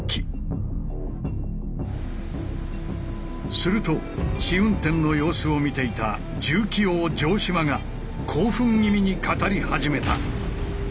すると試運転の様子を見ていた重機王城島が興奮気味に語り始めた。